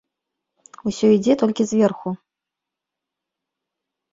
Усё ідзе толькі зверху.